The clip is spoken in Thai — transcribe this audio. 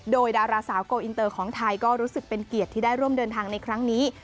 โดยดาราสาวโกอินเตอร์ของไทยก็รู้สึกเป็นเกียรติที่ได้ร่วมเดินทางในครั้งนี้